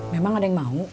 memang ada yang mau